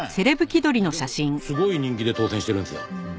でもすごい人気で当選してるんですよ。